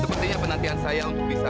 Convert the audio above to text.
sepertinya penantian saya untuk bisa